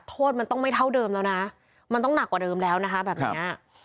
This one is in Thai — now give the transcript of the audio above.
โทษมันต้องไม่เท่าเดิมแล้วนะมันต้องหนักกว่าเดิมแล้วนะคะแบบนี้